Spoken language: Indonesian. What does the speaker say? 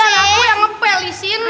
aku yang ngepel di sini